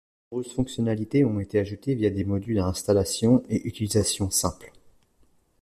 De nombreuses fonctionnalités ont été ajoutées via des modules à installation et utilisation simple.